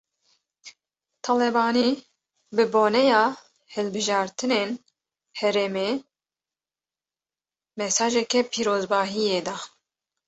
Talebanî bi boneya hilbijartinên herêmê, mesajeke pîrozbahiyê da